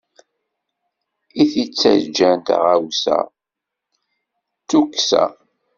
I d-ittaǧǧan taɣawsa, d tukksa.